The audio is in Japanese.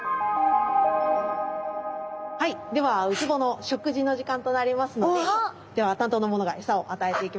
はいではウツボの食事の時間となりますのででは担当の者がエサをあたえていきます。